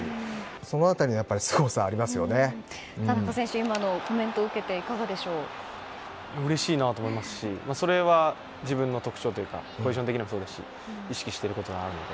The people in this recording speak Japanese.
今のコメントを受けてうれしいなと思いますしそれは、自分の特徴というかポジション的にもそうですし意識していることなので。